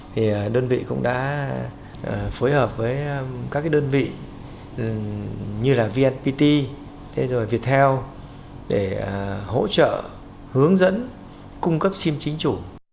thì đơn vị cũng đã phối hợp với các đơn vị như là vnpt rồi viettel để hỗ trợ hướng dẫn cung cấp sim chính chủ